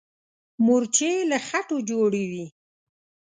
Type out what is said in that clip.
مورچې له خټو جوړې وي.